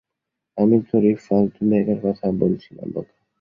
আমি তোর এই ফালতু ব্যাগের কথা বলছিনা, বোকা।